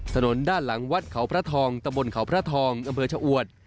ถนนด้านหลังวัดเขาพระทองตะบนเขาพระทองอำเภอชะอวด